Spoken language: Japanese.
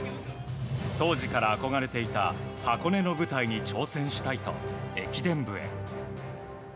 当時から憧れていた箱根の舞台に挑戦したいと駅伝部へ。